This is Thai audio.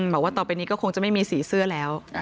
บอกว่าต่อไปนี้ก็คงจะไม่มีสีเสื้อแล้ว